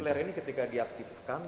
jadi flare ini ketika diaktifkan